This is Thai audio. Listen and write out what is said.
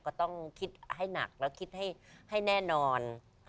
ก็ต้องคิดให้หนักแล้วคิดให้แน่นอน